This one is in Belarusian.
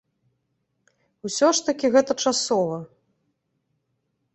Усё ж такі гэта часова.